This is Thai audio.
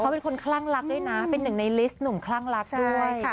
เป็นคนคลั่งรักด้วยนะเป็นหนึ่งในลิสต์หนุ่มคลั่งรักด้วย